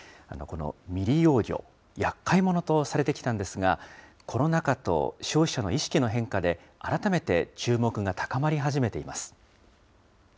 この未利用魚、やっかい者とされてきたんですが、コロナ禍と消費者の意識の変化で、改めて注目が高まり始めています。